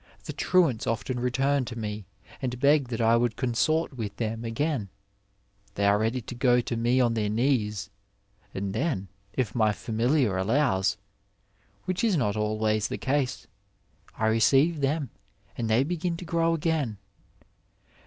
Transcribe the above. The truants often retuni to me, and beg that I would consort with them again — ^they are ready to go to me on their knees — and then, if my familiar allows, which is not always the case, I receive them and they begin to grow again.